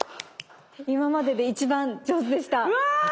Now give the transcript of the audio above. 今までで一番上手でした。